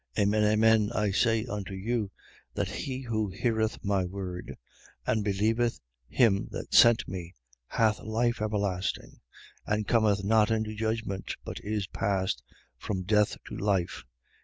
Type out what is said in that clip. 5:24. Amen, amen, I say unto you that he who heareth my word and believeth him that sent me hath life everlasting: and cometh not into judgment, but is passed from death to life.